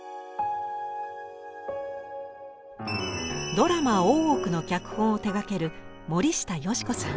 ドラマ「大奥」の脚本を手がける森下佳子さん。